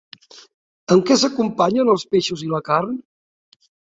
Amb què s'acompanyen els peixos i la carn?